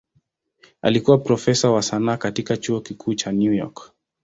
Alikuwa profesa wa sanaa katika Chuo Kikuu cha New York.